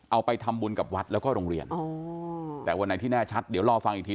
เอาไปทำบุญกับวัดแล้วก็โรงเรียนอ๋อแต่วันไหนที่แน่ชัดเดี๋ยวรอฟังอีกที